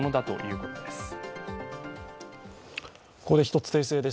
ここで１つ訂正です。